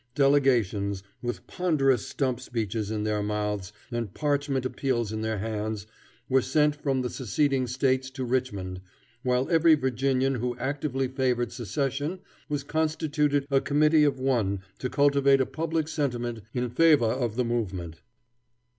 Delegations, with ponderous stump speeches in their mouths and parchment appeals in their hands, were sent from the seceding States to Richmond, while every Virginian who actively favored secession was constituted a committee of one to cultivate a public sentiment in favor of the movement.